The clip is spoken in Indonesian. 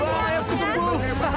wah ayamku sembuh